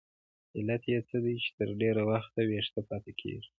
علت یې څه دی چې تر ډېره وخته ویښه پاتې کیږي؟